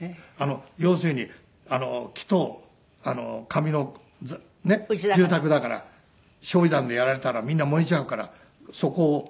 要するに木と紙の住宅だから焼夷弾でやられたらみんな燃えちゃうからそこを。